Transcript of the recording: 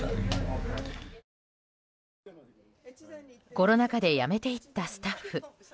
コロナ禍で辞めていったスタッフ。